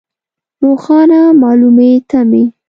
روښانه مالومې تمې.